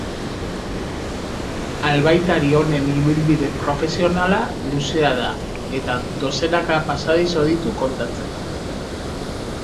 Albaitari honen ibilbide profesionala luzea da, eta dozenaka pasadizo ditu kontatzeko.